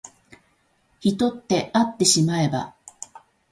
人ってあってしまえば